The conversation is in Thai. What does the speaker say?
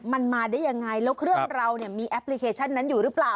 มันมาได้ยังไงแล้วเครื่องเราเนี่ยมีแอปพลิเคชันนั้นอยู่หรือเปล่า